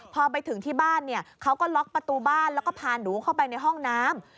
พอไปถึงที่บ้านเนี่ยเขาก็ล็อกประตูบ้านแล้วก็พาหนูเข้าไปในห้องน้ำ